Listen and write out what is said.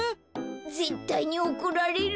ぜったいにおこられる。